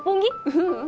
ううん。